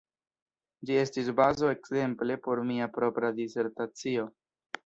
Ĝi estis bazo ekzemple por mia propra disertacio.